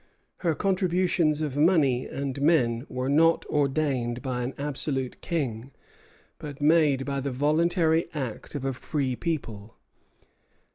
Her contributions of money and men were not ordained by an absolute king, but made by the voluntary act of a free people.